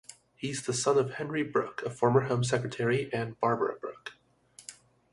He is the son of Henry Brooke, a former Home Secretary, and Barbara Brooke.